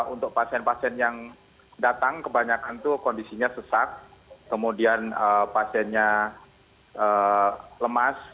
untuk pasien pasien yang datang kebanyakan itu kondisinya sesak kemudian pasiennya lemas